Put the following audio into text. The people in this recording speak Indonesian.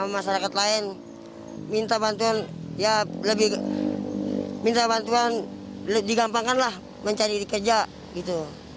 masyarakat lain minta bantuan ya lebih minta bantuan digampangkanlah mencari kerja gitu